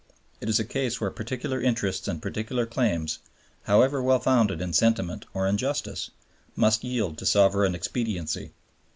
It is a case where particular interests and particular claims, however well founded in sentiment or in justice, must yield to sovereign expediency.